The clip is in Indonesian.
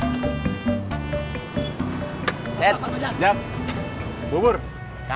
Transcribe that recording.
sama musuhnya kalau saya kasih det nanti saya kasih det nanti saya kasih tempatnya mu aja hahaha